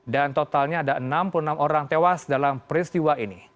dan totalnya ada enam puluh enam orang tewas dalam peristiwa ini